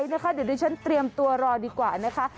เดี๋ยวดิฉันเตรียมตัวรอดีกว่านะคะ